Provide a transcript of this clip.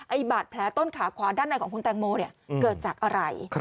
ไอบาดแผลต้นขาขวาด้านในคุณแต่งโมวเกิดจากอะไร